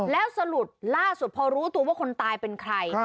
แล้วสรุปล่าสุดพอรู้ตัวว่าคนตายเป็นใคร